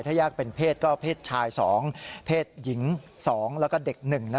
ถ้ายากเป็นเพศก็เพศชาย๒เพศหญิง๒แล้วก็เด็ก๑